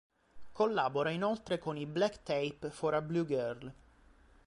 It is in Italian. Collabora inoltre con i Black Tape for a Blue Girl.